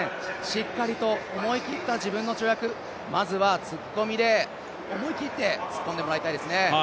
しっかりと思い切った自分の跳躍、まずは突っ込みで思い切って突っ込んでもらいたいですね。